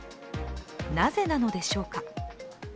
なぜなのでしょうか。